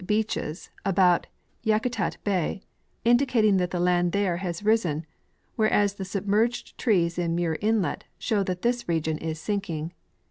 25 beaches about Yakutat l>ay,'^^ indicating that the land there has risen, whereas the submerged trees in Muir inlet show that this region is sinking.